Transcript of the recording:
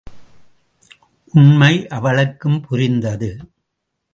உண்மை அவளுக்கும் புரிந்தது.